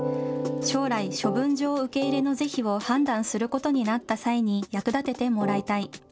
将来、処分場受け入れの是非を判断することになった際に役立ててもらいたい。